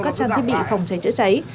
các trang thiết bị phòng cháy chữa cháy